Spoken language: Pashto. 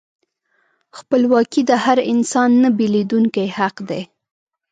خپلواکي د هر انسان نهبیلېدونکی حق دی.